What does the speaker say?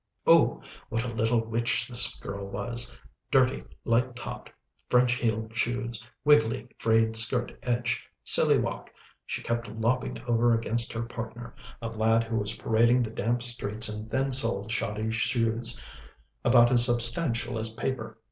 Oh! what a little witch this girl was dirty, light topped, French heeled shoes, wiggly, frayed skirt edge, silly walk she kept lopping over against her partner, a lad who was parading the damp streets in thin soled, shoddy shoes about as substantial as paper.